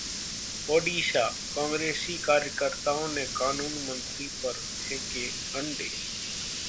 ओडिशा: कांग्रेसी कार्यकर्ताओं ने कानून मंत्री पर फेंके अंडे